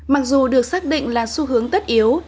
mặc dù được xác định là xu hướng tất yếu